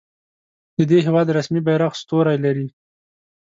د دې هیواد رسمي بیرغ ستوری لري.